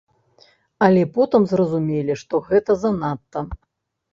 Але потым зразумелі, што гэта занадта.